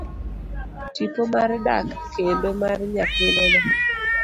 Tipo mar dak kendo mar nyathine no.